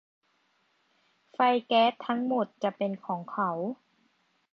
ไฟแก๊สทั้งหมดจะเป็นของเขา